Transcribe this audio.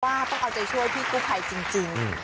ว่าต้องเอาใจช่วยพี่กู้ภัยจริง